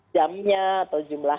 jamnya atau jumlah